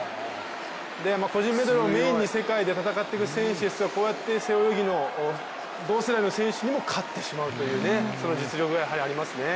個人メドレーをメインに世界で戦っている選手ですがこうやって背泳ぎの同世代の選手にも勝ってしまうというその実力がありますね。